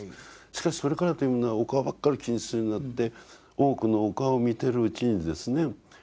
しかしそれからというものはお顔ばっかり気にするようになって多くのお顔を見てるうちにですね